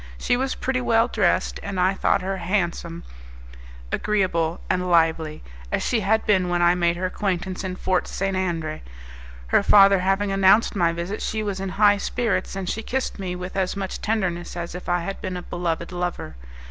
She was pretty well dressed, and I thought her handsome, agreeable, and lively, as she had been when I made her acquaintance in Fort St. Andre. Her father having announced my visit, she was in high spirits, and she kissed me with as much tenderness as if I had been a beloved lover.